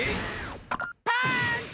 パーンチ！